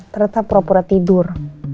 ternyata pura pura tidur